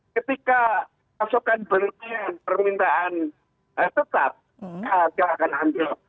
ketika pasokan beliau permintaan tetap harga akan ambil